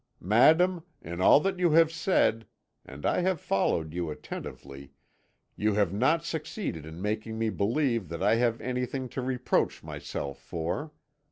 Madame, in all that you have said and I have followed you attentively you have not succeeded in making me believe that I have anything to reproach myself for.